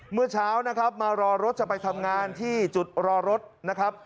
เมื่อเช้านะครับมารอรถจะไปทำงานที่จุดรอรถนะครับ